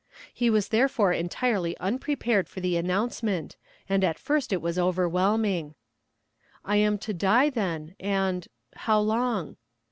He was therefore entirely unprepared for the announcement, and at first it was overwhelming. "'I am to die then; and how long?'